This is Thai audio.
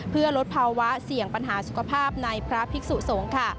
เพื่อลดภาวะเสี่ยงปัญหาสุขภาพในพระภิกษุสงฆ์ค่ะ